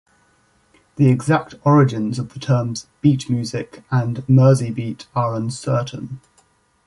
The exact origins of the terms 'beat music' and 'Merseybeat' are uncertain.